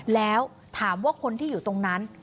แล้วถามว่าคนที่อยู่ตรงนั้น